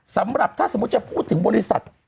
สำหรับถ้าสมมุติจะพูดถึงบริษัท